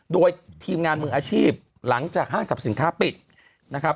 โดยทีมงานมืออาชีพหลังจากห้างสรรพสินค้าปิดนะครับ